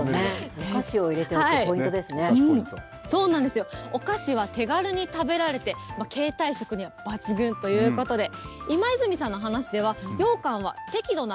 お菓子を入れておく、ポイントでお菓子は手軽に食べられて携帯食には抜群ということで、今泉さんの話では、ようかんは適度な